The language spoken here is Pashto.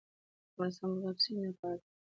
افغانستان د مورغاب سیند په اړه علمي څېړنې لري.